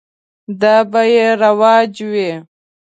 دا به یې رواج وي.